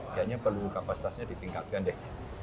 kayaknya perlu kapasitasnya ditingkatkan deh